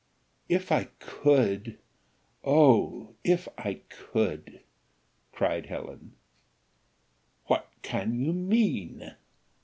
"If I could! O if I could!" cried Helen. "What can you mean?